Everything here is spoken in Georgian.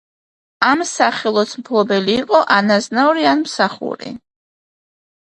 ამ სახელოს მფლობელი იყო ან აზნაური, ან მსახური.